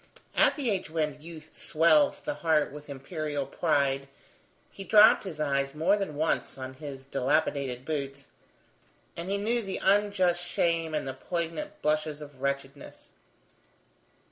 At the age when youth swells the heart with imperial pride, he dropped his eyes more than once on his dilapidated boots, and he knew the unjust shame and the poignant blushes of wretchedness.